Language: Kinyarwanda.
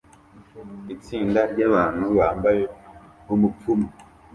Itsinda ryabantu bambaye nkumupfumu